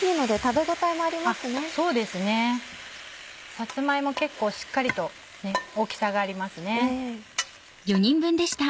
さつま芋結構しっかりと大きさがありますね。